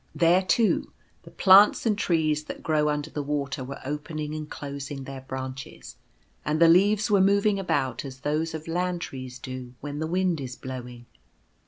There, too, the plants and trees that grow under the water were opening and closing their branches; and the leaves were moving about as those of land trees do when the wind is blowing.